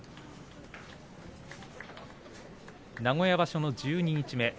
名古屋場所の十二日目。